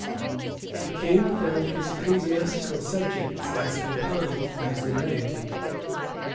The king found his ecclesiastical subjects as compliant as the laity.